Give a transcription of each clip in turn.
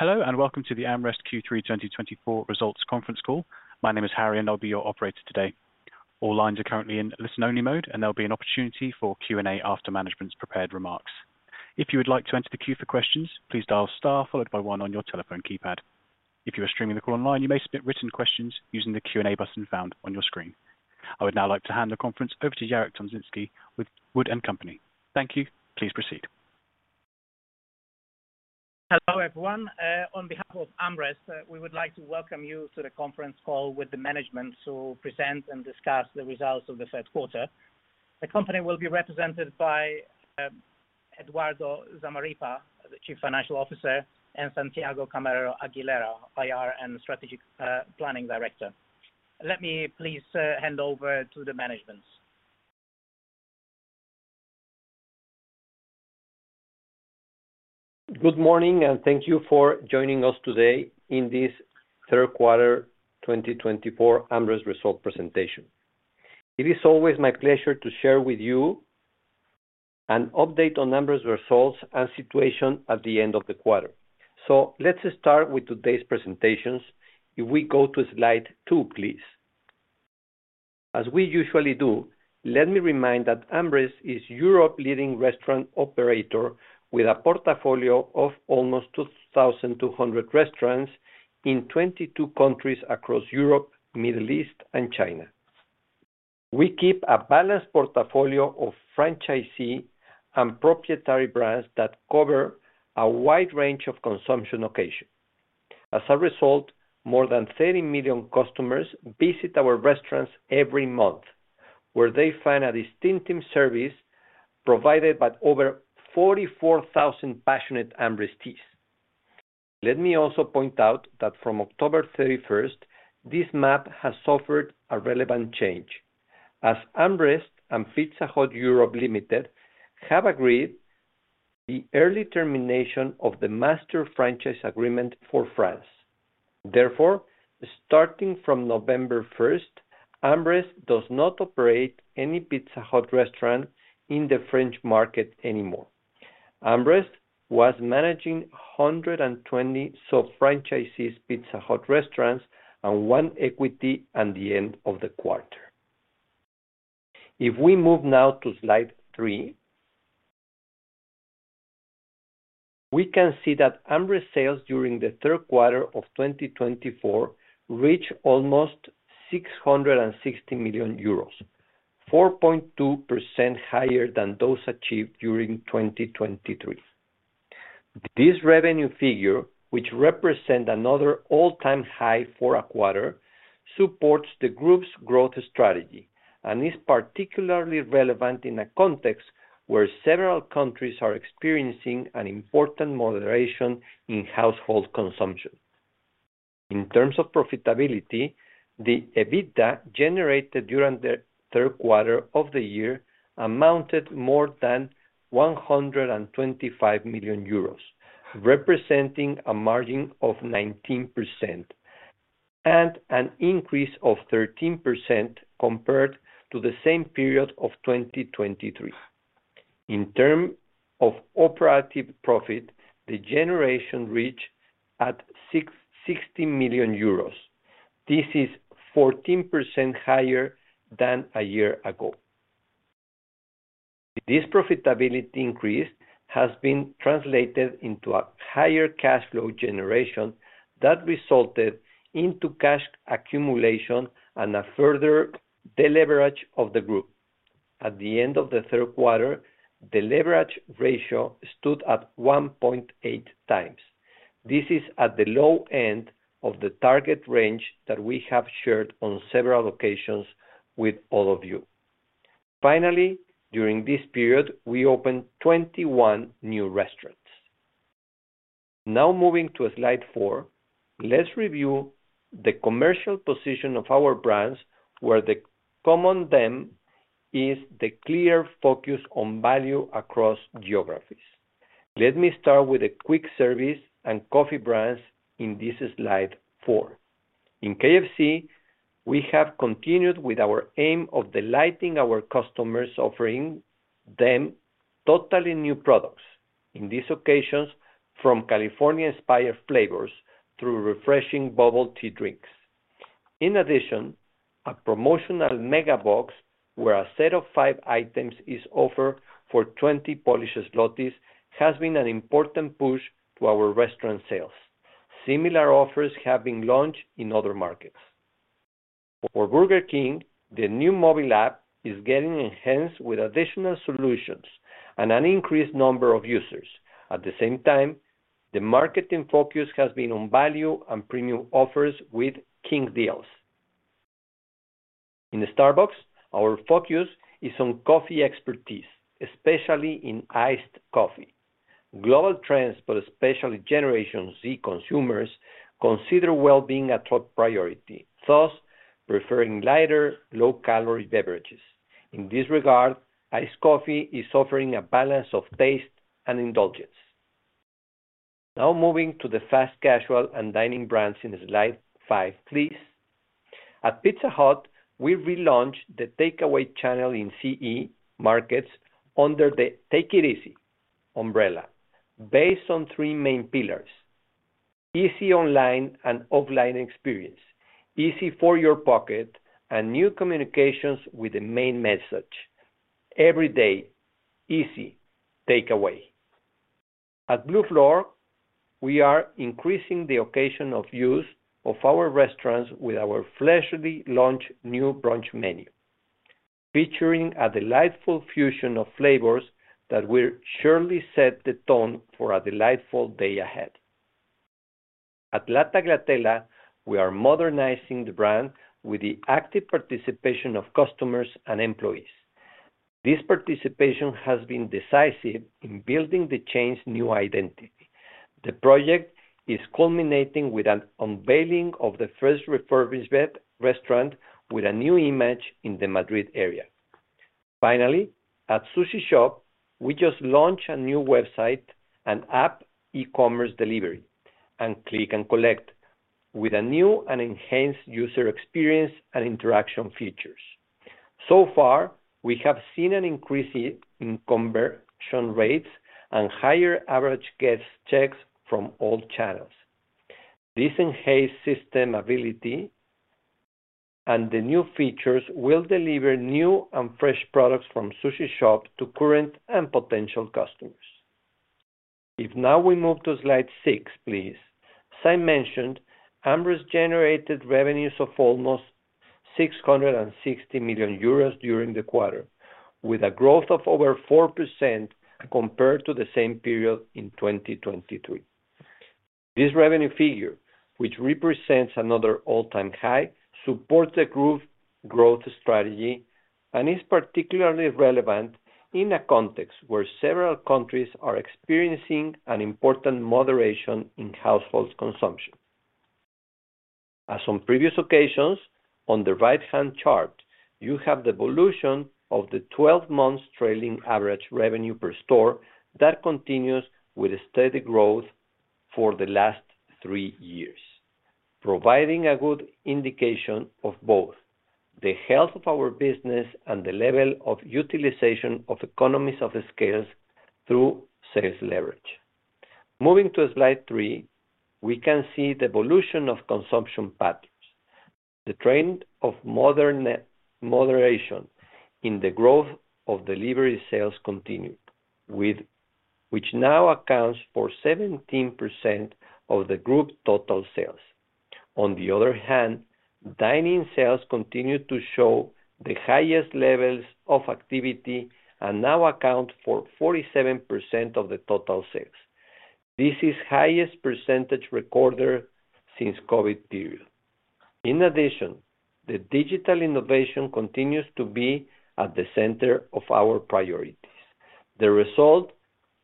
Hello and welcome to the AmRest Q3 2024 Results Conference Call. My name is Harry, and I'll be your operator today. All lines are currently in listen-only mode, and there'll be an opportunity for Q&A after management's prepared remarks. If you would like to enter the queue for questions, please dial STAR followed by 1 on your telephone keypad. If you are streaming the call online, you may submit written questions using the Q&A button found on your screen. I would now like to hand the conference over to Jarek Tomczyński with Wood & Company. Thank you, please proceed. Hello everyone. On behalf of AmRest, we would like to welcome you to the conference call with the management to present and discuss the results of the third quarter. The company will be represented by Eduardo Zamarripa, the Chief Financial Officer, and Santiago Aguilera, IR and Strategic Planning Director. Let me please hand over to the management. Good morning, and thank you for joining us today in this Third Quarter 2024 AmRest Results Presentation. It is always my pleasure to share with you an update on AmRest results and situation at the end of the quarter. So let's start with today's presentations. If we go to slide two, please. As we usually do, let me remind that AmRest is Europe's leading restaurant operator with a portfolio of almost 2,200 restaurants in 22 countries across Europe, the Middle East, and China. We keep a balanced portfolio of franchisees and proprietary brands that cover a wide range of consumption locations. As a result, more than 30 million customers visit our restaurants every month, where they find a distinctive service provided by over 44,000 passionate AmResties. Let me also point out that from October 31st, this map has suffered a relevant change, as AmRest and Pizza Hut Europe Limited have agreed to the early termination of the master franchise agreement for France. Therefore, starting from November 1st, AmRest does not operate any Pizza Hut restaurant in the French market anymore. AmRest was managing 120 sub-franchisees' Pizza Hut restaurants and one equity at the end of the quarter. If we move now to slide three, we can see that AmRest sales during the third quarter of 2024 reached almost 660 million euros, 4.2% higher than those achieved during 2023. This revenue figure, which represents another all-time high for a quarter, supports the group's growth strategy and is particularly relevant in a context where several countries are experiencing an important moderation in household consumption. In terms of profitability, the EBITDA generated during the third quarter of the year amounted to more than 125 million euros, representing a margin of 19% and an increase of 13% compared to the same period of 2023. In terms of operating profit, the generation reached EUR 60 million. This is 14% higher than a year ago. This profitability increase has been translated into a higher cash flow generation that resulted in cash accumulation and a further deleveraging of the group. At the end of the third quarter, the leverage ratio stood at 1.8x. This is at the low end of the target range that we have shared on several occasions with all of you. Finally, during this period, we opened 21 new restaurants. Now moving to slide four, let's review the commercial position of our brands, where the common theme is the clear focus on value across geographies. Let me start with quick service and coffee brands in this slide four. In KFC, we have continued with our aim of delighting our customers, offering them totally new products, in these occasions from California-inspired flavors through refreshing bubble tea drinks. In addition, a promotional Mega Box, where a set of five items is offered for 20 Polish zlotys, has been an important push to our restaurant sales. Similar offers have been launched in other markets. For Burger King, the new mobile app is getting enhanced with additional solutions and an increased number of users. At the same time, the marketing focus has been on value and premium offers with King Deals. In Starbucks, our focus is on coffee expertise, especially in iced coffee. Global trends, but especially Generation Z consumers, consider well-being a top priority, thus preferring lighter, low-calorie beverages. In this regard, iced coffee is offering a balance of taste and indulgence. Now moving to the fast casual and dining brands in slide five, please. At Pizza Hut, we relaunched the takeaway channel in CEE markets under the Take It Easy umbrella, based on three main pillars: easy online and offline experience, easy for your pocket, and new communications with the main message: Every Day, Easy Takeaway. At Blue Frog, we are increasing the occasion of use of our restaurants with our freshly launched new brunch menu, featuring a delightful fusion of flavors that will surely set the tone for a delightful day ahead. At La Tagliatella, we are modernizing the brand with the active participation of customers and employees. This participation has been decisive in building the chain's new identity. The project is culminating with the unveiling of the first refurbished restaurant with a new image in the Madrid area. Finally, at Sushi Shop, we just launched a new website and app e-commerce delivery and click and collect with a new and enhanced user experience and interaction features. So far, we have seen an increase in conversion rates and higher average guest checks from all channels. This enhanced system ability and the new features will deliver new and fresh products from Sushi Shop to current and potential customers. If now we move to slide six, please. As I mentioned, AmRest generated revenues of almost 660 million euros during the quarter, with a growth of over 4% compared to the same period in 2023. This revenue figure, which represents another all-time high, supports the group's growth strategy and is particularly relevant in a context where several countries are experiencing an important moderation in household consumption. As on previous occasions, on the right-hand chart, you have the evolution of the 12-month trailing average revenue per store that continues with steady growth for the last three years, providing a good indication of both the health of our business and the level of utilization of economies of scale through sales leverage. Moving to slide three, we can see the evolution of consumption patterns. The trend of moderation in the growth of delivery sales continued, which now accounts for 17% of the group total sales. On the other hand, dining sales continue to show the highest levels of activity and now account for 47% of the total sales. This is the highest percentage recorded since the COVID period. In addition, the digital innovation continues to be at the center of our priorities. The result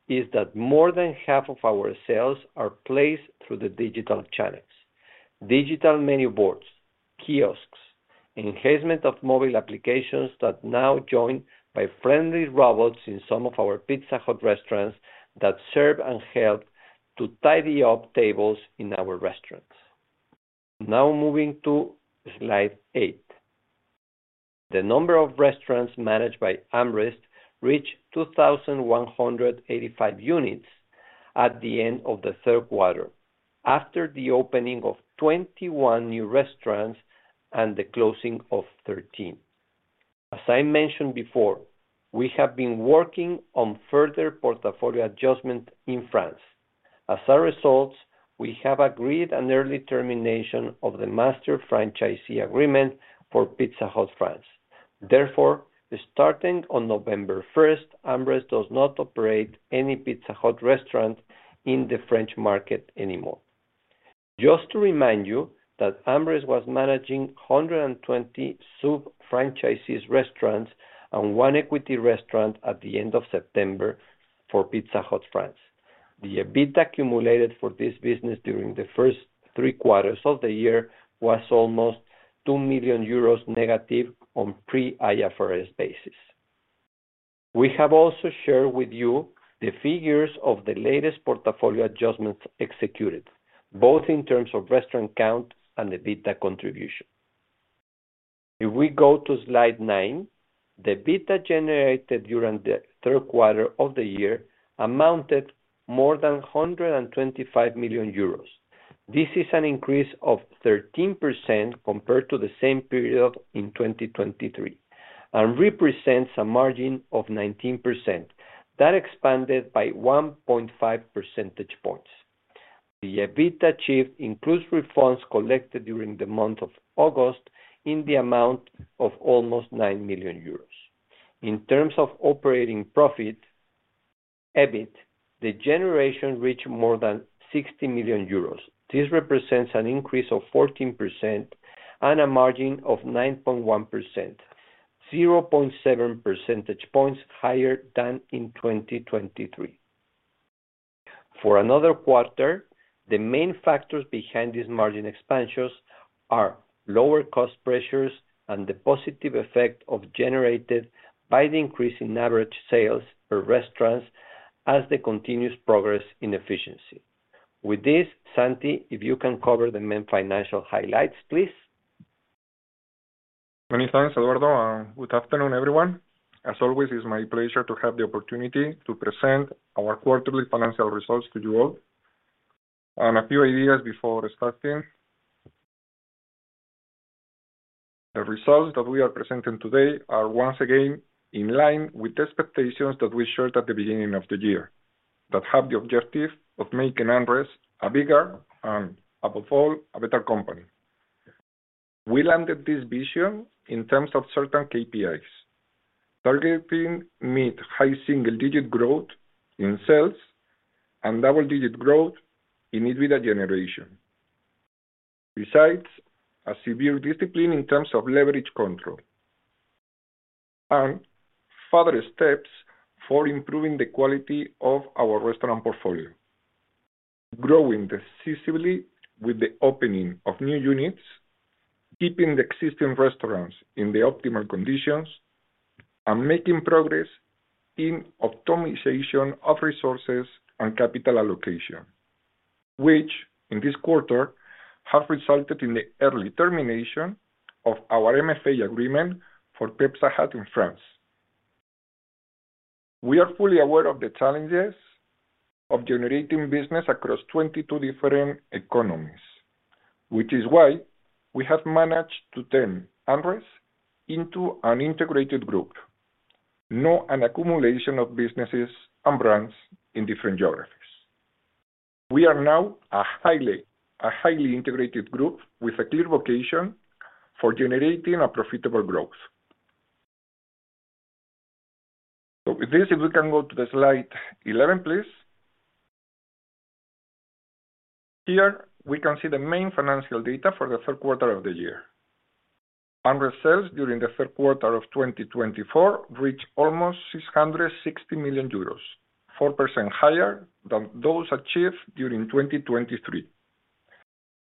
is that more than half of our sales are placed through the digital channels: digital menu boards, kiosks, enhancement of mobile applications that now join by friendly robots in some of our Pizza Hut restaurants that serve and help to tidy up tables in our restaurants. Now moving to slide eight. The number of restaurants managed by AmRest reached 2,185 units at the end of the third quarter after the opening of 21 new restaurants and the closing of 13. As I mentioned before, we have been working on further portfolio adjustments in France. As a result, we have agreed on an early termination of the master franchise agreement for Pizza Hut France. Therefore, starting on November 1st, AmRest does not operate any Pizza Hut restaurant in the French market anymore. Just to remind you that AmRest was managing 120 sub-franchisee restaurants and one equity restaurant at the end of September for Pizza Hut France. The EBITDA accumulated for this business during the first three quarters of the year was almost 2 million euros negative on pre-IFRS basis. We have also shared with you the figures of the latest portfolio adjustments executed, both in terms of restaurant count and EBITDA contribution. If we go to slide nine, the EBITDA generated during the third quarter of the year amounted to more than 125 million euros. This is an increase of 13% compared to the same period in 2023 and represents a margin of 19% that expanded by 1.5 percentage points. The EBITDA achieved includes refunds collected during the month of August in the amount of almost 9 million euros. In terms of operating profit, EBITDA generation reached more than 60 million euros. This represents an increase of 14% and a margin of 9.1%, 0.7 percentage points higher than in 2023. For another quarter, the main factors behind these margin expansions are lower cost pressures and the positive effect generated by the increase in average sales per restaurant as the continuous progress in efficiency. With this, Santi, if you can cover the main financial highlights, please. Many thanks, Eduardo. Good afternoon, everyone. As always, it's my pleasure to have the opportunity to present our quarterly financial results to you all and a few ideas before starting. The results that we are presenting today are once again in line with the expectations that we shared at the beginning of the year that have the objective of making AmRest a bigger and, above all, a better company. We landed this vision in terms of certain KPIs, targeting mid-high single-digit growth in sales and double-digit growth in EBITDA generation, besides a severe discipline in terms of leverage control and further steps for improving the quality of our restaurant portfolio, growing decisively with the opening of new units, keeping the existing restaurants in optimal conditions, and making progress in optimization of resources and capital allocation, which in this quarter have resulted in the early termination of our MFA agreement for Pizza Hut in France. We are fully aware of the challenges of generating business across 22 different economies, which is why we have managed to turn AmRest into an integrated group, not an accumulation of businesses and brands in different geographies. We are now a highly integrated group with a clear vocation for generating profitable growth. So with this, if we can go to slide 11, please. Here we can see the main financial data for the third quarter of the year. AmRest sales during the third quarter of 2024 reached almost 660 million euros, 4% higher than those achieved during 2023.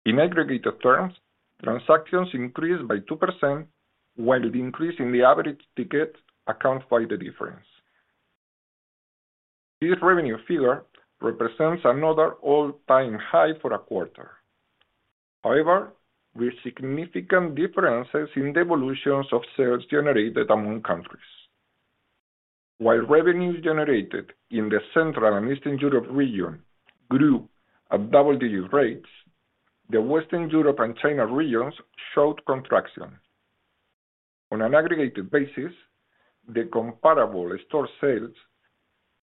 In aggregated terms, transactions increased by 2%, while the increase in the average ticket accounts for the difference. This revenue figure represents another all-time high for a quarter. However, with significant differences in the evolutions of sales generated among countries, while revenues generated in the Central and Eastern Europe region grew at double-digit rates, the Western Europe and China regions showed contraction. On an aggregated basis, the comparable store sales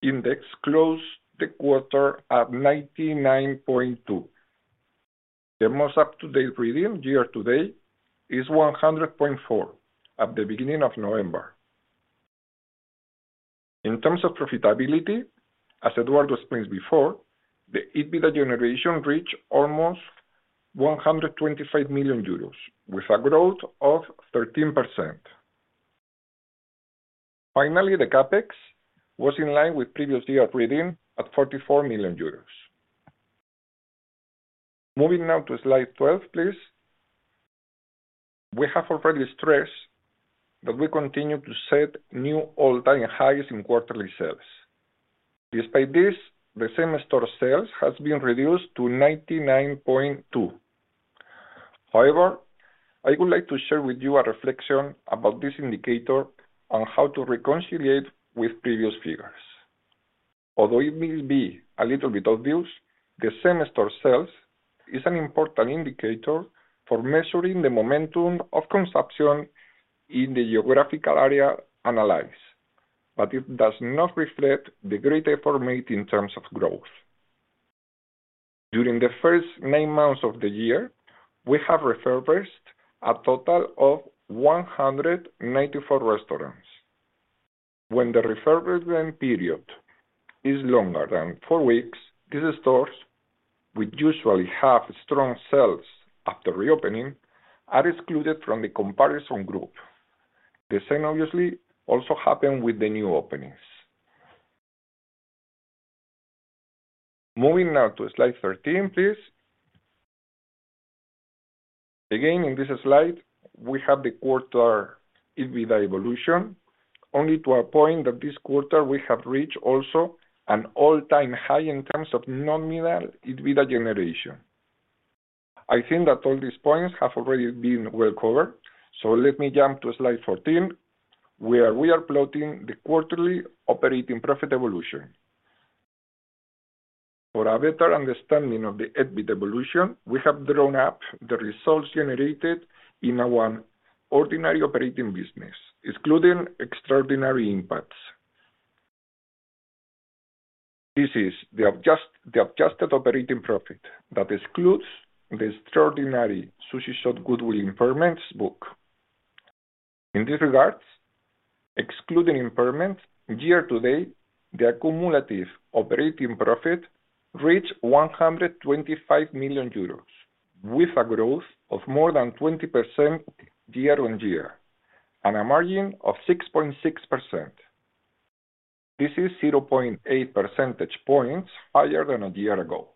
index closed the quarter at 99.2. The most up-to-date reading year-to-date is 100.4 at the beginning of November. In terms of profitability, as Eduardo explained before, the EBITDA generation reached almost 125 million euros, with a growth of 13%. Finally, the CAPEX was in line with previous year reading at 44 million euros. Moving now to slide 12, please. We have already stressed that we continue to set new all-time highs in quarterly sales. Despite this, the same store sales have been reduced to 99.2. However, I would like to share with you a reflection about this indicator and how to reconcile with previous figures. Although it may be a little bit obvious, the same store sales is an important indicator for measuring the momentum of consumption in the geographical area analyzed, but it does not reflect the great effort made in terms of growth. During the first nine months of the year, we have refurbished a total of 194 restaurants. When the refurbishment period is longer than four weeks, these stores, which usually have strong sales after reopening, are excluded from the comparison group. The same, obviously, also happened with the new openings. Moving now to slide 13, please. Again, in this slide, we have the quarter EBITDA evolution, only to a point that this quarter we have reached also an all-time high in terms of nominal EBITDA generation. I think that all these points have already been well covered, so let me jump to slide 14, where we are plotting the quarterly operating profit evolution. For a better understanding of the EBITDA evolution, we have drawn up the results generated in our ordinary operating business, excluding extraordinary impacts. This is the adjusted operating profit that excludes the extraordinary Sushi Shop Goodwill Impairments book. In this regard, excluding impairments, year-to-date, the accumulative operating profit reached 125 million euros, with a growth of more than 20% year-on-year and a margin of 6.6%. This is 0.8 percentage points higher than a year ago.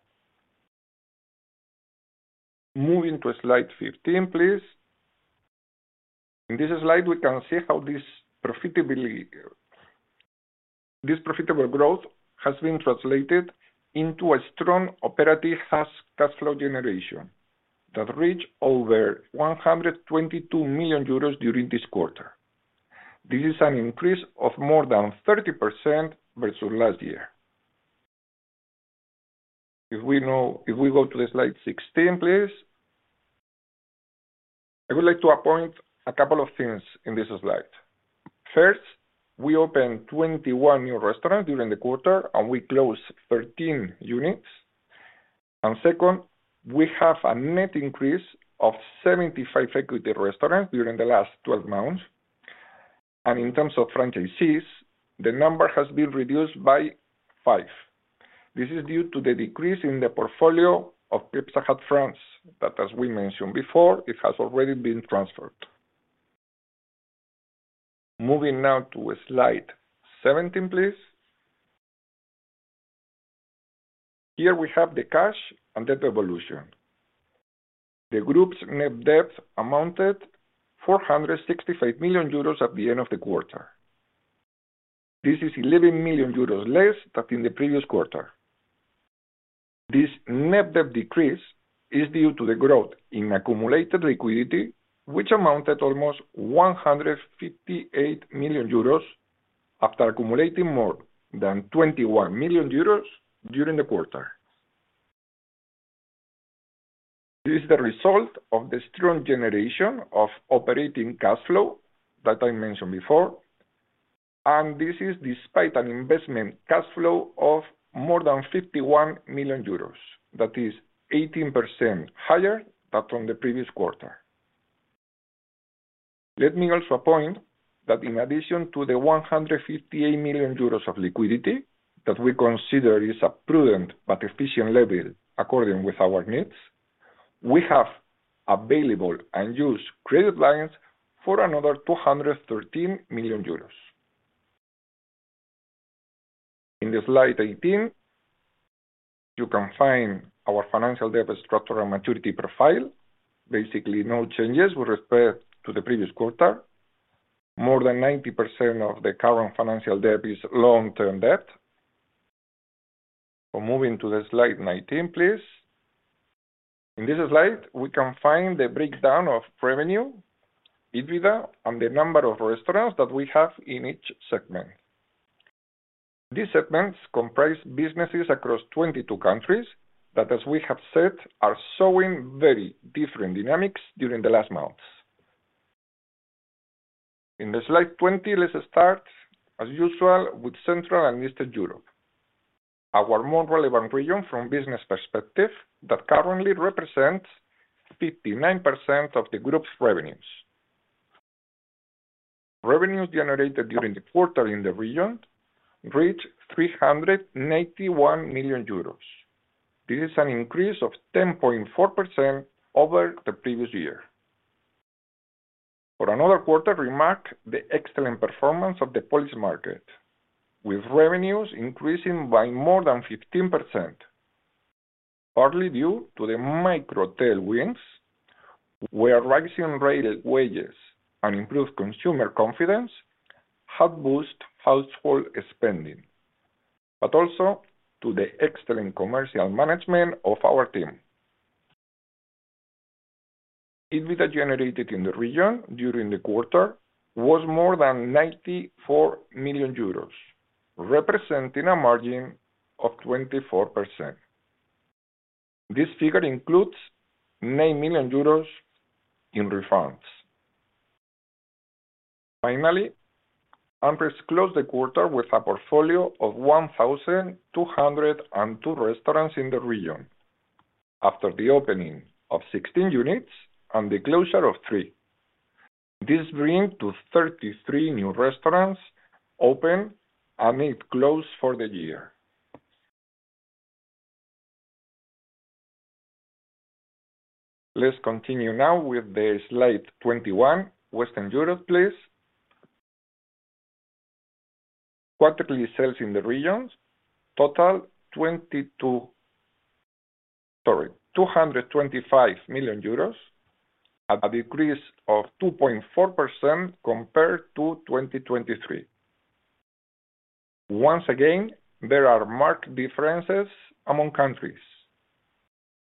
Moving to slide 15, please. In this slide, we can see how this profitable growth has been translated into a strong operating cash flow generation that reached over 122 million euros during this quarter. This is an increase of more than 30% versus last year. If we go to slide 16, please. I would like to point out a couple of things in this slide. First, we opened 21 new restaurants during the quarter and we closed 13 units. And second, we have a net increase of 75 equity restaurants during the last 12 months. And in terms of franchisees, the number has been reduced by five. This is due to the decrease in the portfolio of Pizza Hut France that, as we mentioned before, has already been transferred. Moving now to slide 17, please. Here we have the cash and debt evolution. The group's net debt amounted to 465 million euros at the end of the quarter. This is 11 million euros less than in the previous quarter. This net debt decrease is due to the growth in accumulated liquidity, which amounted to almost 158 million euros after accumulating more than 21 million euros during the quarter. This is the result of the strong generation of operating cash flow that I mentioned before, and this is despite an investment cash flow of more than 51 million euros, that is 18% higher than from the previous quarter. Let me also point out that in addition to the 158 million euros of liquidity that we consider is a prudent but efficient level according to our needs, we have available and used credit lines for another 213 million euros. In slide 18, you can find our financial debt structure and maturity profile. Basically, no changes with respect to the previous quarter. More than 90% of the current financial debt is long-term debt. So moving to slide 19, please. In this slide, we can find the breakdown of revenue, EBITDA, and the number of restaurants that we have in each segment. These segments comprise businesses across 22 countries that, as we have said, are showing very different dynamics during the last months. In slide 20, let's start, as usual, with Central and Eastern Europe, our more relevant region from a business perspective that currently represents 59% of the group's revenues. Revenues generated during the quarter in the region reached 381 million euros. This is an increase of 10.4% over the previous year. For another quarter, remark the excellent performance of the Polish market, with revenues increasing by more than 15%, partly due to the macro tailwinds, where rising wages and improved consumer confidence have boosted household spending, but also to the excellent commercial management of our team. EBITDA generated in the region during the quarter was more than 94 million euros, representing a margin of 24%. This figure includes 9 million euros in refunds. Finally, AmRest closed the quarter with a portfolio of 1,202 restaurants in the region after the opening of 16 units and the closure of 3. This brings to 33 new restaurants open and 8 closed for the year. Let's continue now with slide 21, Western Europe, please. Quarterly sales in the region totaled EUR 225 million at a decrease of 2.4% compared to 2023. Once again, there are marked differences among countries.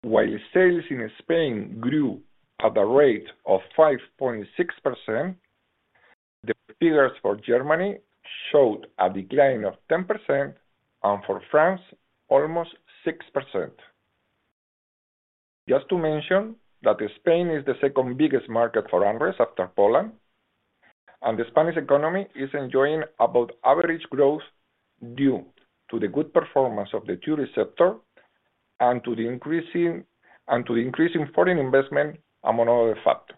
While sales in Spain grew at a rate of 5.6%, the figures for Germany showed a decline of 10% and for France, almost 6%. Just to mention that Spain is the second biggest market for AmRest after Poland, and the Spanish economy is enjoying above average growth due to the good performance of the QSR sector and to the increasing foreign investment among other factors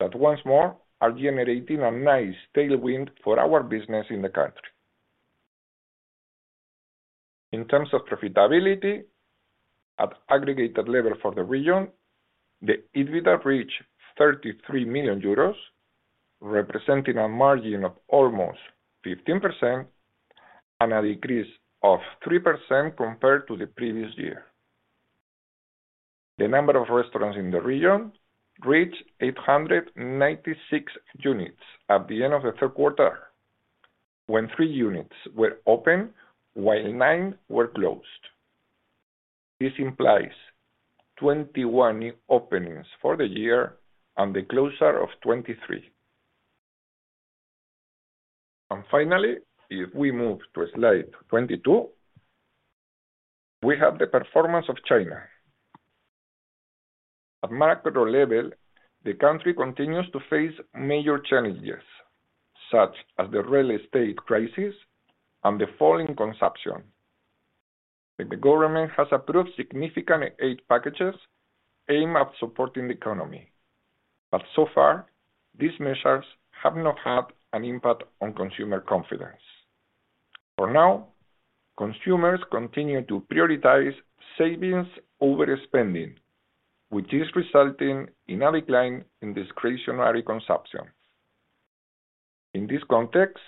that, once more, are generating a nice tailwind for our business in the country. In terms of profitability at aggregated level for the region, the EBITDA reached 33 million euros, representing a margin of almost 15% and a decrease of 3% compared to the previous year. The number of restaurants in the region reached 896 units at the end of the third quarter, when 3 units were open while 9 were closed. This implies 21 new openings for the year and the closure of 23. Finally, if we move to slide 22, we have the performance of China. At macro level, the country continues to face major challenges such as the real estate crisis and the fall in consumption. The government has approved significant aid packages aimed at supporting the economy, but so far, these measures have not had an impact on consumer confidence. For now, consumers continue to prioritize savings over spending, which is resulting in a decline in discretionary consumption. In this context,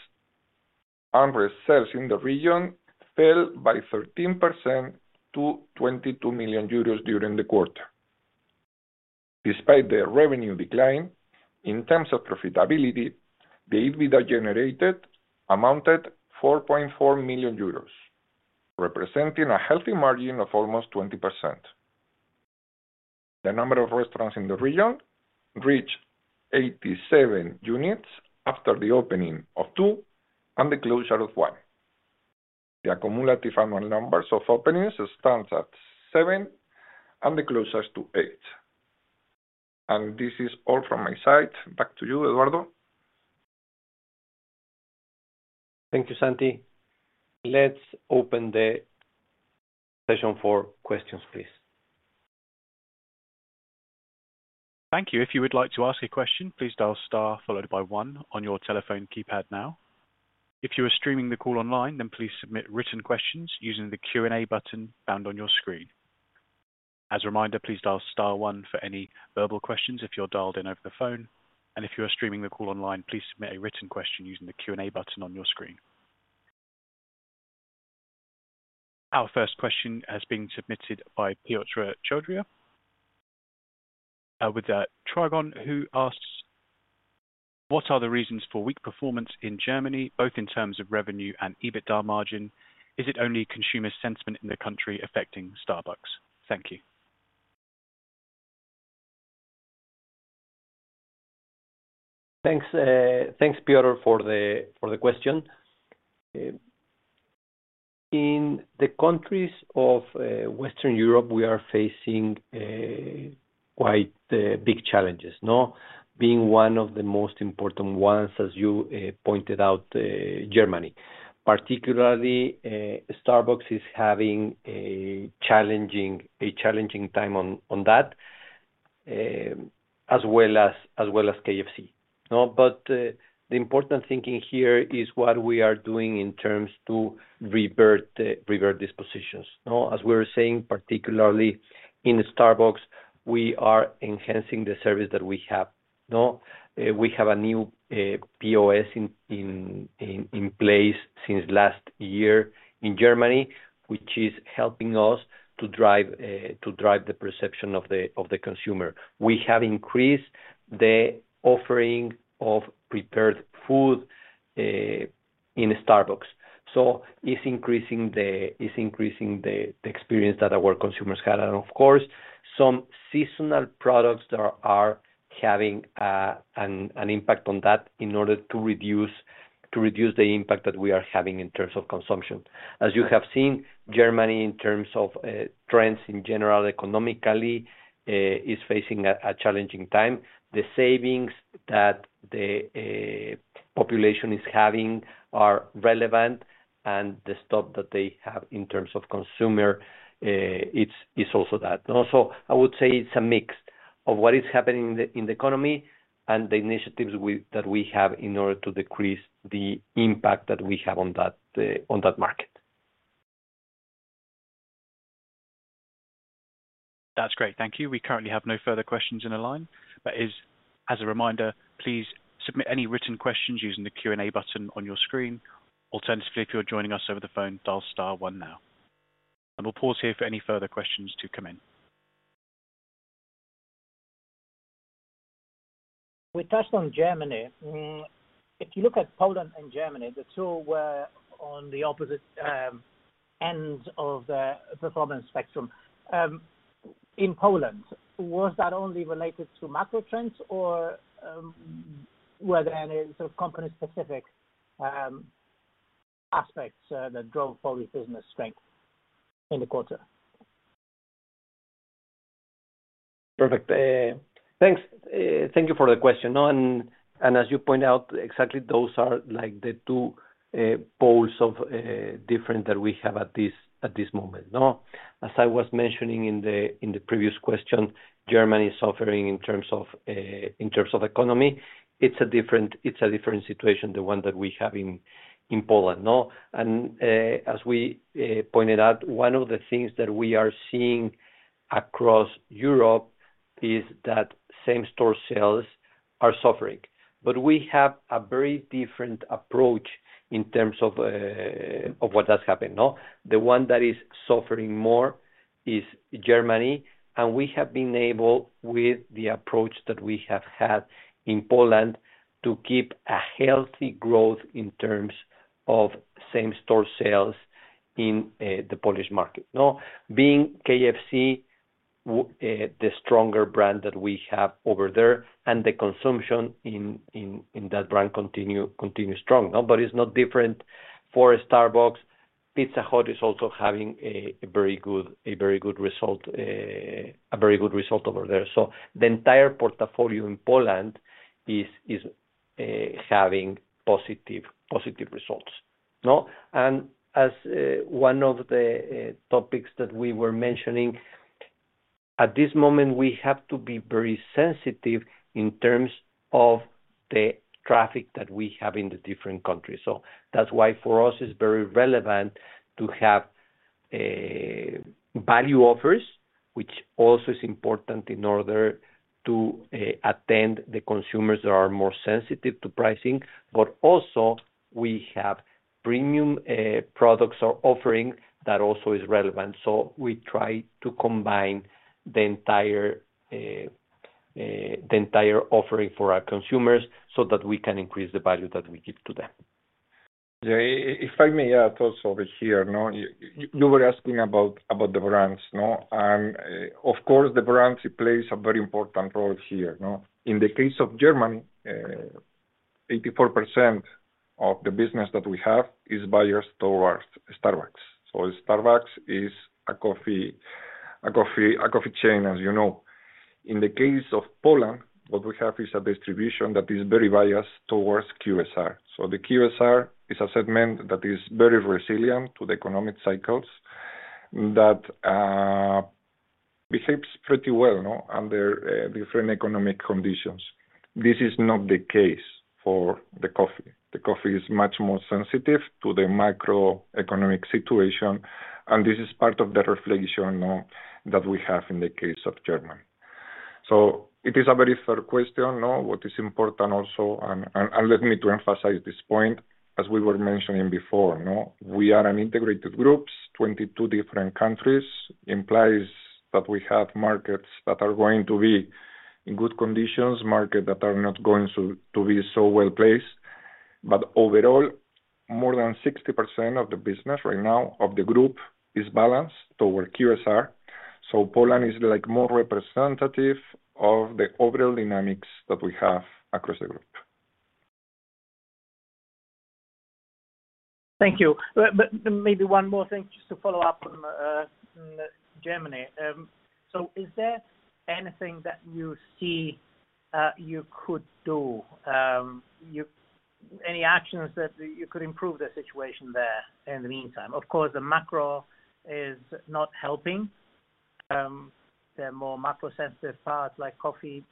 AmRest sales in the region fell by 13% to 22 million euros during the quarter. Despite the revenue decline, in terms of profitability, the EBITDA generated amounted to 4.4 million euros, representing a healthy margin of almost 20%. The number of restaurants in the region reached 87 units after the opening of two and the closure of one. The cumulative annual numbers of openings stand at seven and the closures to eight. And this is all from my side. Back to you, Eduardo. Thank you, Santi. Let's open the session for questions, please. Thank you. If you would like to ask a question, please dial * followed by 1 on your telephone keypad now. If you are streaming the call online, then please submit written questions using the Q&A button found on your screen. As a reminder, please dial * 1 for any verbal questions if you're dialed in over the phone. And if you are streaming the call online, please submit a written question using the Q&A button on your screen. Our first question has been submitted by Piotr Chodyra who asks, "What are the reasons for weak performance in Germany, both in terms of revenue and EBITDA margin? Is it only consumer sentiment in the country affecting Starbucks?" Thank you. Thanks, Piotr, for the question. In the countries of Western Europe, we are facing quite big challenges, being one of the most important ones, as you pointed out, Germany. Particularly, Starbucks is having a challenging time on that, as well as KFC. But the important thing here is what we are doing in terms of to revert these positions. As we were saying, particularly in Starbucks, we are enhancing the service that we have. We have a new POS in place since last year in Germany, which is helping us to drive the perception of the consumer. We have increased the offering of prepared food in Starbucks. So it's increasing the experience that our consumers had. Of course, some seasonal products are having an impact on that in order to reduce the impact that we are having in terms of consumption. As you have seen, Germany, in terms of trends in general, economically, is facing a challenging time. The savings that the population is having are relevant, and the stop that they have in terms of consumer is also that. So I would say it's a mix of what is happening in the economy and the initiatives that we have in order to decrease the impact that we have on that market. That's great. Thank you. We currently have no further questions in a line. As a reminder, please submit any written questions using the Q&A button on your screen. Alternatively, if you're joining us over the phone, dial *1 now. We'll pause here for any further questions to come in. We touched on Germany. If you look at Poland and Germany, the two were on the opposite ends of the performance spectrum. In Poland, was that only related to macro trends, or were there any sort of company-specific aspects that drove Polish business strength in the quarter? Perfect. Thanks. Thank you for the question. And as you point out, exactly those are the two poles that we have at this moment. As I was mentioning in the previous question, Germany is suffering in terms of economy. It's a different situation, the one that we have in Poland. And as we pointed out, one of the things that we are seeing across Europe is that same-store sales are suffering. But we have a very different approach in terms of what has happened. The one that is suffering more is Germany. We have been able, with the approach that we have had in Poland, to keep a healthy growth in terms of same-store sales in the Polish market, being KFC the stronger brand that we have over there, and the consumption in that brand continues strong, but it is not different for Starbucks. Pizza Hut is also having a very good result, a very good result over there, so the entire portfolio in Poland is having positive results, and as one of the topics that we were mentioning, at this moment, we have to be very sensitive in terms of the traffic that we have in the different countries, so that is why, for us, it is very relevant to have value offers, which also is important in order to attend to the consumers that are more sensitive to pricing, but also, we have premium products or offerings that also are relevant. We try to combine the entire offering for our consumers so that we can increase the value that we give to them. If I may add also over here, you were asking about the brands. And of course, the brands play a very important role here. In the case of Germany, 84% of the business that we have is biased towards Starbucks. So Starbucks is a coffee chain, as you know. In the case of Poland, what we have is a distribution that is very biased towards QSR. So the QSR is a segment that is very resilient to the economic cycles that behaves pretty well under different economic conditions. This is not the case for the coffee. The coffee is much more sensitive to the macroeconomic situation. And this is part of the reflection that we have in the case of Germany. So it is a very fair question, what is important also. And let me emphasize this point. As we were mentioning before, we are an integrated group, 22 different countries. It implies that we have markets that are going to be in good conditions, markets that are not going to be so well placed. But overall, more than 60% of the business right now of the group is balanced toward QSR. So Poland is more representative of the overall dynamics that we have across the group. Thank you. But maybe one more thing just to follow up on Germany. So is there anything that you see you could do, any actions that you could improve the situation there in the meantime? Of course, the macro is not helping. There are more macro-sensitive parts like coffee,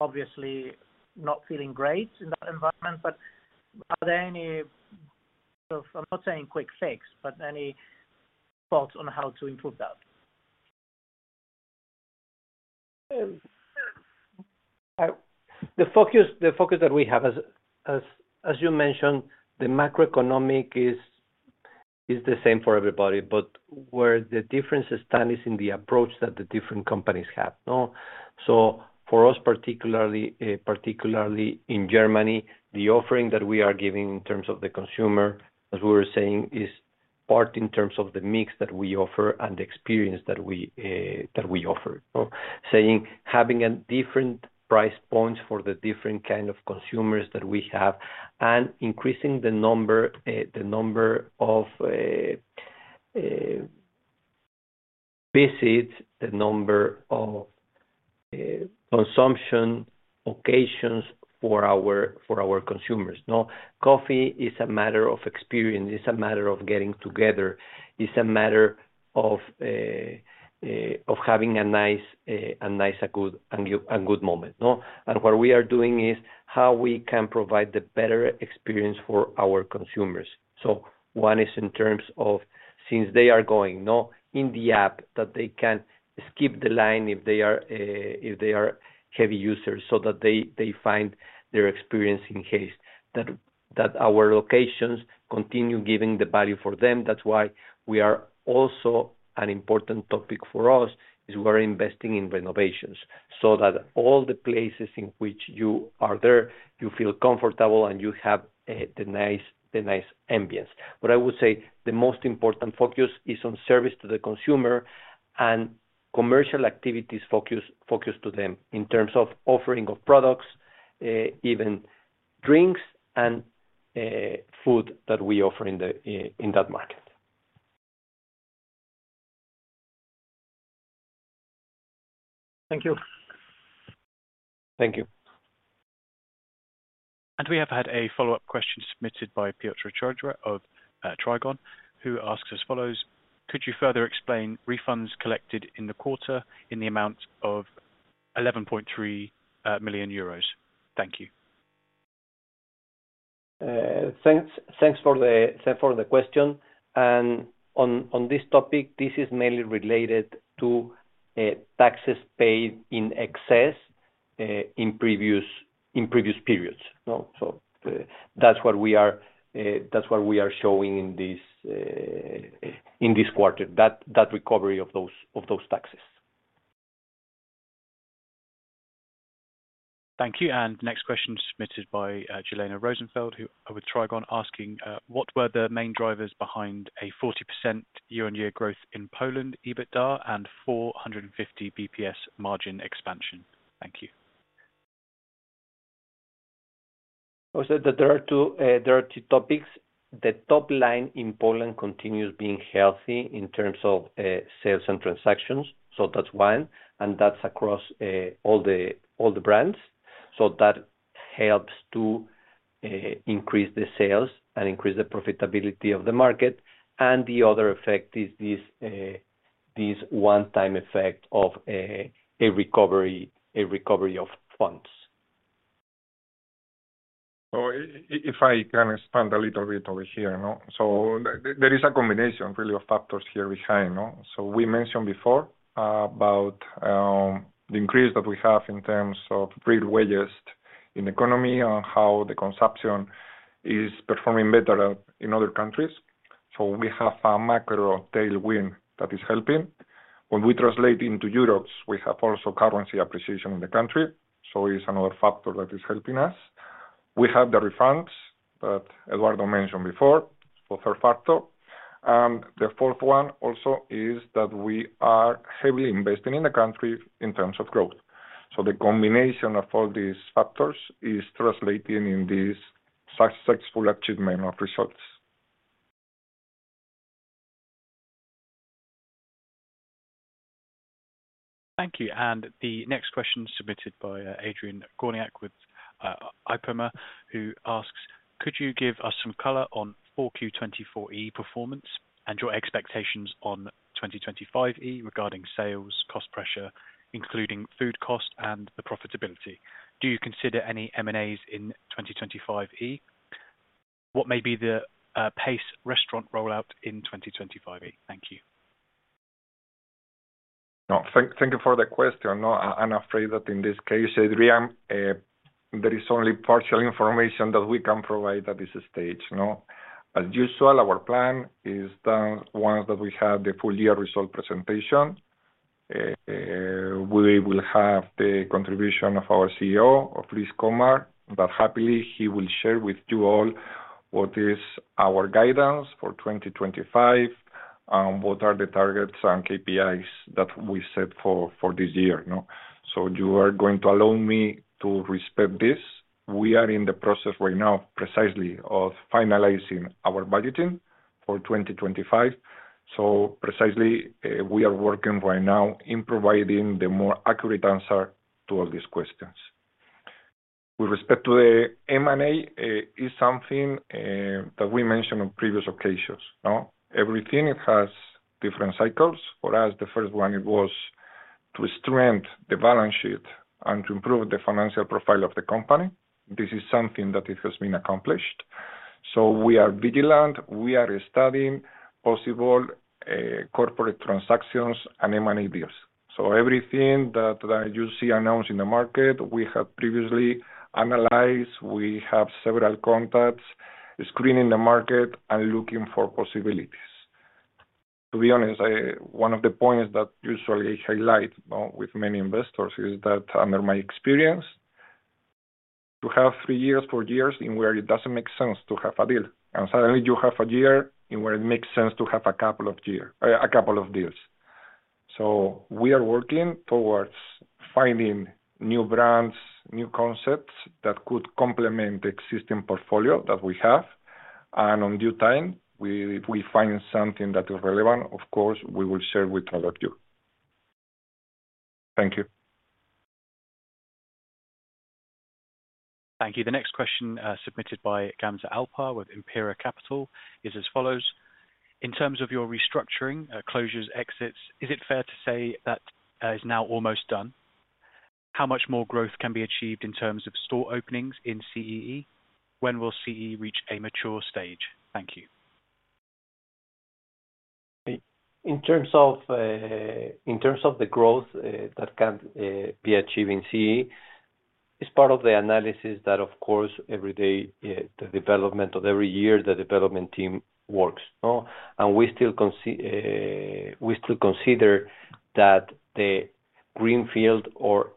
obviously not feeling great in that environment. But are there any sort of? I'm not saying quick fix, but any thoughts on how to improve that? The focus that we have, as you mentioned, the macroeconomic is the same for everybody. But where the difference stands is in the approach that the different companies have. So for us, particularly in Germany, the offering that we are giving in terms of the consumer, as we were saying, is part in terms of the mix that we offer and the experience that we offer, saying having different price points for the different kinds of consumers that we have and increasing the number of visits, the number of consumption occasions for our consumers. Coffee is a matter of experience. It's a matter of getting together. It's a matter of having a nice, a good moment. And what we are doing is how we can provide the better experience for our consumers. So one is in terms of, since they are going in the app, that they can skip the line if they are heavy users so that they find their experience in case, that our locations continue giving the value for them. That's why we are also an important topic for us is we're investing in renovations so that all the places in which you are there, you feel comfortable, and you have the nice ambiance. But I would say the most important focus is on service to the consumer and commercial activities focused to them in terms of offering of products, even drinks and food that we offer in that market. Thank you. Thank you. We have had a follow-up question submitted by Piotr Chodyra of Trigon, who asks as follows, "Could you further explain refunds collected in the quarter in the amount of 11.3 million euros?" Thank you. Thanks for the question. On this topic, this is mainly related to taxes paid in excess in previous periods. So that's what we are showing in this quarter, that recovery of those taxes. Thank you. Next question submitted by Jelena Rozenfeld with Trigon, asking, "What were the main drivers behind a 40% year-on-year growth in Poland, EBITDA, and 450 bps margin expansion?" Thank you. I would say that there are two topics. The top line in Poland continues being healthy in terms of sales and transactions. So that's one. And that's across all the brands. So that helps to increase the sales and increase the profitability of the market. And the other effect is this one-time effect of a recovery of funds. If I can expand a little bit over here, so there is a combination really of factors here behind. So we mentioned before about the increase that we have in terms of real wages in the economy and how the consumption is performing better in other countries. So we have a macro tailwind that is helping. When we translate into euros, we have also currency appreciation in the country. So it's another factor that is helping us. We have the refunds that Eduardo mentioned before, the third factor. And the fourth one also is that we are heavily investing in the country in terms of growth. So the combination of all these factors is translating in this successful achievement of results. Thank you. The next question submitted by Adrian Górniak with Ipopema, who asks, "Could you give us some color on 4Q24E performance and your expectations on 2025E regarding sales, cost pressure, including food cost and the profitability? Do you consider any M&As in 2025E? What may be the pace restaurant rollout in 2025E?" Thank you. Thank you for the question. I'm afraid that in this case, Adrian, there is only partial information that we can provide at this stage. As usual, our plan is that once that we have the full year result presentation, we will have the contribution of our CEO, Luis Comas, that happily he will share with you all what is our guidance for 2025 and what are the targets and KPIs that we set for this year. So you are going to allow me to respect this. We are in the process right now precisely of finalizing our budgeting for 2025. So precisely, we are working right now in providing the more accurate answer to all these questions. With respect to the M&A, it's something that we mentioned on previous occasions. Everything has different cycles. For us, the first one, it was to strengthen the balance sheet and to improve the financial profile of the company. This is something that has been accomplished. So we are vigilant. We are studying possible corporate transactions and M&A deals. So everything that you see announced in the market, we have previously analyzed. We have several contacts, screening the market, and looking for possibilities. To be honest, one of the points that usually I highlight with many investors is that under my experience, you have three years, four years in where it doesn't make sense to have a deal. Suddenly, you have a year in where it makes sense to have a couple of deals. So we are working towards finding new brands, new concepts that could complement the existing portfolio that we have. And on due time, if we find something that is relevant, of course, we will share with you. Thank you. Thank you. The next question submitted by Gamze Alpar with Impera Capital is as follows. In terms of your restructuring, closures, exits, is it fair to say that is now almost done? How much more growth can be achieved in terms of store openings in CEE? When will CEE reach a mature stage? Thank you. In terms of the growth that can be achieved in CEE, it's part of the analysis that, of course, every day, the development of every year, the development team works. We still consider that the greenfield or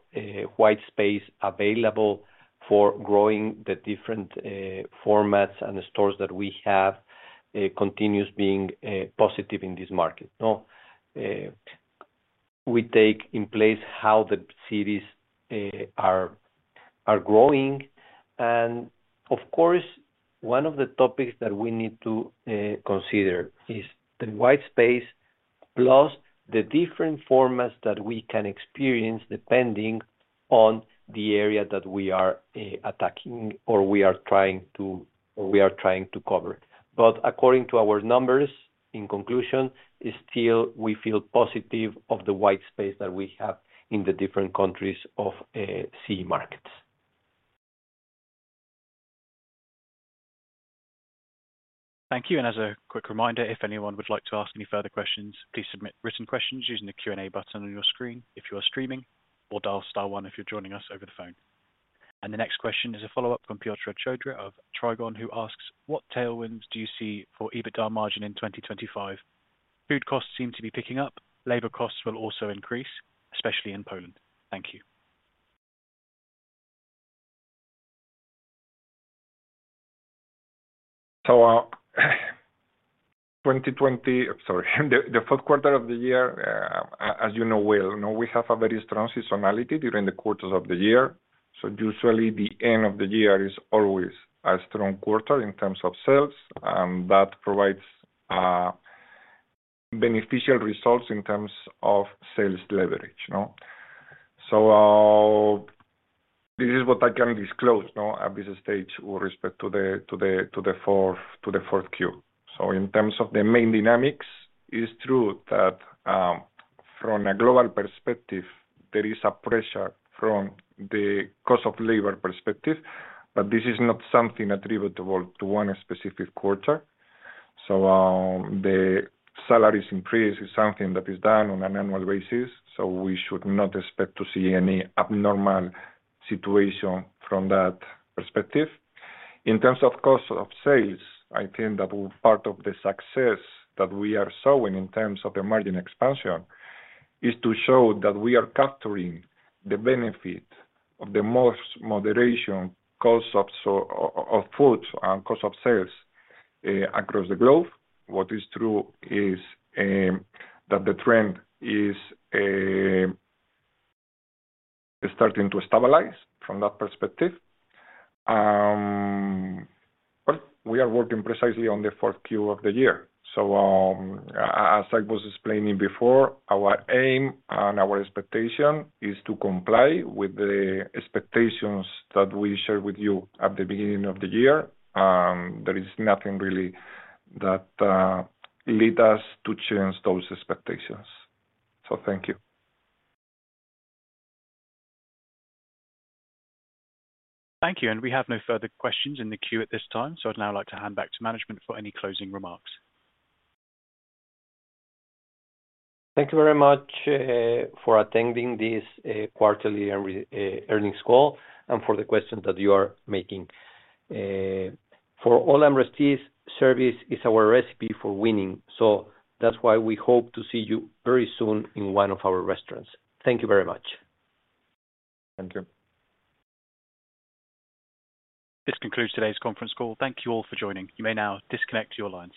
white space available for growing the different formats and stores that we have continues being positive in this market. We take into account how the cities are growing. Of course, one of the topics that we need to consider is the white space plus the different formats that we can experience depending on the area that we are attacking or we are trying to cover. But according to our numbers, in conclusion, still, we feel positive of the white space that we have in the different countries of CEE markets. Thank you. As a quick reminder, if anyone would like to ask any further questions, please submit written questions using the Q&A button on your screen if you are streaming or dial star one if you're joining us over the phone. he next question is a follow-up from Piotr Chodyra of Trigon, who asks, "What tailwinds do you see for EBITDA margin in 2025? Food costs seem to be picking up. Labor costs will also increase, especially in Poland." Thank you. So 2020, sorry, the fourth quarter of the year, as you know, we have a very strong seasonality during the quarters of the year. Usually, the end of the year is always a strong quarter in terms of sales. That provides beneficial results in terms of sales leverage. This is what I can disclose at this stage with respect to the fourth Q. In terms of the main dynamics, it's true that from a global perspective, there is a pressure from the cost of labor perspective, but this is not something attributable to one specific quarter. So the salaries increase is something that is done on an annual basis. So we should not expect to see any abnormal situation from that perspective. In terms of cost of sales, I think that part of the success that we are showing in terms of the margin expansion is to show that we are capturing the benefit of the most moderation cost of food and cost of sales across the globe. What is true is that the trend is starting to stabilize from that perspective. But we are working precisely on the fourth quarter of the year. So as I was explaining before, our aim and our expectation is to comply with the expectations that we shared with you at the beginning of the year. There is nothing really that led us to change those expectations. So thank you. Thank you. And we have no further questions in the queue at this time. So I'd now like to hand back to management for any closing remarks. Thank you very much for attending this quarterly earnings call and for the questions that you are making. For all AmRest's, service is our recipe for winning. So that's why we hope to see you very soon in one of our restaurants. Thank you very much. Thank you. This concludes today's conference call. Thank you all for joining. You may now disconnect your lines.